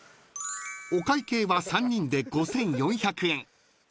［お会計は３人で５，４００円］